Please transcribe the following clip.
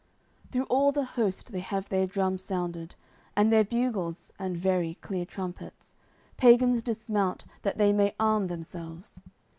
CCXXVIII Through all the host they have their drums sounded, And their bugles, and, very clear trumpets. Pagans dismount, that they may arm themselves.